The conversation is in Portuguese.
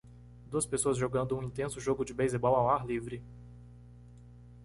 Duas pessoas jogando um intenso jogo de beisebol ao ar livre.